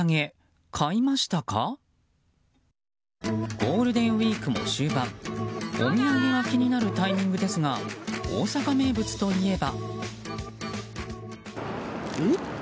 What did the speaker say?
ゴールデンウィークも終盤お土産が気になるタイミングですが大阪名物といえば？